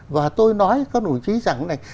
và tôi nói các đồng chí rằng này